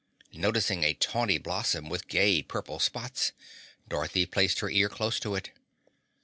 Noticing a tawny blossom with gay purple spots, Dorothy placed her ear close to it.